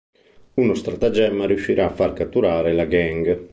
Uno stratagemma riuscirà a far catturare la gang.